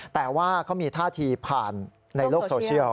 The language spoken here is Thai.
แต่ว่าเขามีท่าทีผ่านในโลกโซเชียล